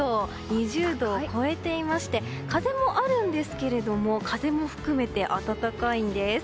２０度を超えていまして風もあるんですけれども風も含めて暖かいんです。